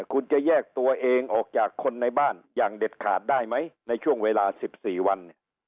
คุณจะแยกตัวเองออกจากคนในบ้านอย่างเด็ดขาดได้ไหมในช่วงเวลา๑๔วัน